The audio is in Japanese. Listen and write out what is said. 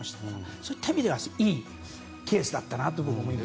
そういった意味ではいいケースだったなと思います。